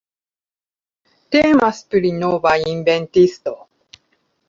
Temas pri nova inventisto.